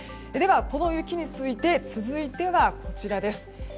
では、この雪について続いてはこちらです。